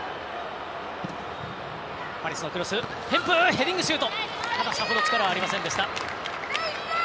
ヘディングシュートさほど力ありませんでした。